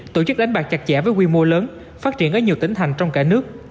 tổ chức đánh bạc chặt chẽ với quy mô lớn phát triển ở nhiều tỉnh thành trong cả nước